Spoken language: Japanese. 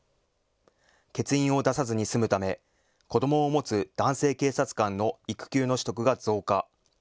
欠員を出さずに済むため子どもを持つ男性警察官の育休の取得が増加。